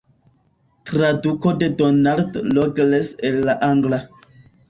Traduko de Donald Rogers el la angla.